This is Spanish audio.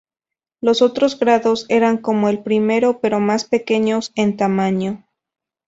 Los otros grados eran como el primero pero más pequeños en tamaño.